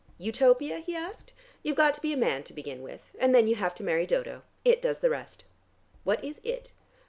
"Utopia?" he asked. "You've got to be a man to begin with and then you have to marry Dodo. It does the rest." "What is It?"